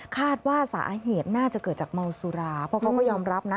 คาดว่าสาเหตุน่าจะเกิดจากเมาสุราเพราะเขาก็ยอมรับนะ